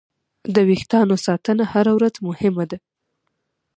د وېښتیانو ساتنه هره ورځ مهمه ده.